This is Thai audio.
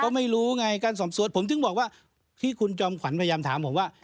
ก็ไม่รู้ไงการสอบสวนผมถึงบอกว่าที่คุณจอมขวัญพยายามถามผมว่า